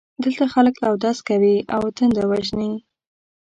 دلته خلک اودس کوي او تنده وژني.